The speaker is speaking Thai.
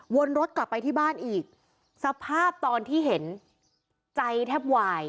ไว้สภาพตอนที่เห็นใจแทบหวาย